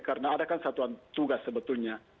karena ada kan satuan tugas sebetulnya